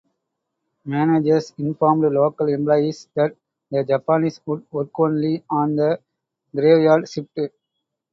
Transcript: Managers informed local employees that the Japanese would work only on the graveyard shift.